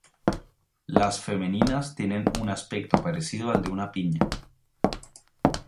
Las femeninas tienen un aspecto parecido al de una piña.